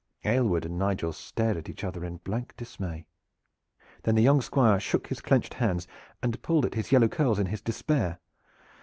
Aylward and Nigel stared at each other in blank dismay. Then the young Squire shook his clenched hands and pulled at his yellow curls in his despair.